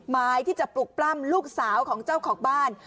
หมายที่จะปลุกปล้ำลูกสาวของเจ้าของบ้าน